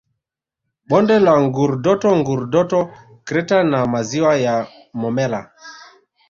Bonde la Ngurdoto Ngurdoto Crater na maziwa ya Momella